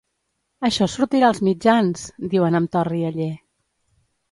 Això sortirà als mitjans!, diuen amb to rialler.